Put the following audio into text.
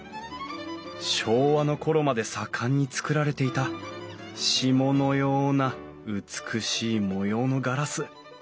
昭和の頃まで盛んに作られていた霜のような美しい模様のガラス。